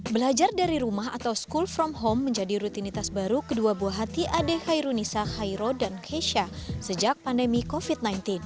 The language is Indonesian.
belajar dari rumah atau school from home menjadi rutinitas baru kedua buah hati adek hairunisa khairo dan keisha sejak pandemi covid sembilan belas